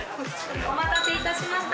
・お待たせいたしました